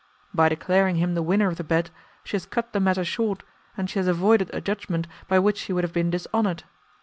By declaring him the winner of the bet she has cut the matter short, and she has avoided a judgment by which she would have been dishonoured.